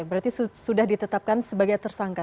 berarti sudah ditetapkan sebagai tersangka